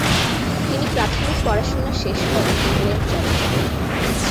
তিনি প্রাথমিক পড়াশোনা শেষ করে ইংল্যান্ড চলে যান।